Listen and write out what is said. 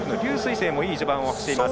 青もいい序盤を走っています。